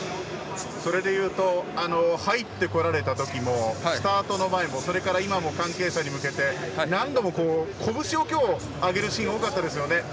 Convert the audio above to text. それでいうと入ってこられたときもスタートの前も、それから今も関係者に向けて何度も拳をきょう、上げるシーンが多かったですよね。